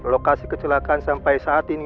lokasi kecelakaan sampai saat ini